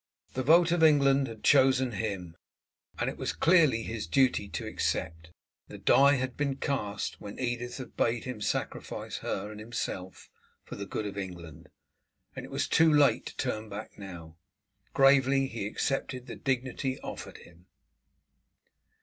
The vote of England had chosen him, and it was clearly his duty to accept. The die had been cast when Edith had bade him sacrifice her and himself for the good of England, and it was too late to turn back now. Gravely he accepted the dignity offered him.